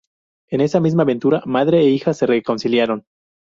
En esa misma aventura, madre e hija se reconciliaron.